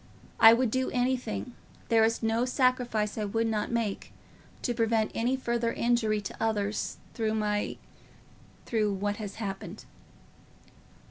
I would do anything, there is no sacrifice I would not make, to prevent any further injury to others through my—through what has happened."